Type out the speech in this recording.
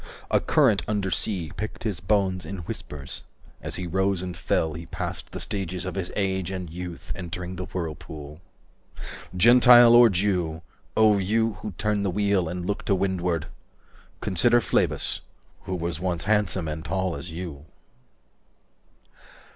A current under sea 315 Picked his bones in whispers. As he rose and fell He passed the stages of his age and youth Entering the whirlpool. Gentile or Jew O you who turn the wheel and look to windward, 320 Consider Phlebas, who was once handsome and tall as you.